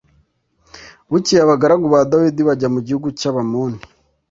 Bukeye abagaragu ba Dawidi bajya mu gihugu cy’Abamoni.